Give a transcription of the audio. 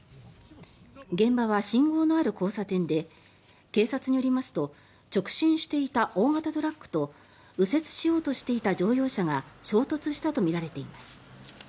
現場は信号のある交差点で警察によりますと直進していた大型トラックと右折しようとしていた乗用車が衝突したとみられています。